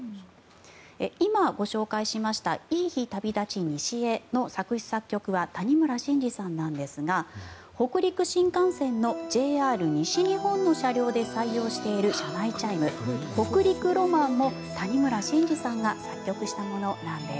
今、ご紹介しました「いい日旅立ち・西へ」の作詞作曲は谷村新司さんなんですが北陸新幹線のＪＲ西日本の車両で採用している車内チャイム「北陸ロマン」も谷村新司さんが作曲したものなんです。